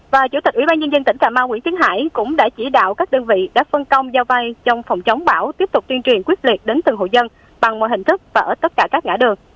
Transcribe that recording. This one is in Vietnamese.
và chủ tịch ủy ban nhân dân tỉnh cà mau nguyễn tiến hải cũng đã chỉ đạo các đơn vị đã phân công giao vay trong phòng chống bão tiếp tục tuyên truyền quyết liệt đến từng hội dân bằng mọi hình thức và ở tất cả các ngã đường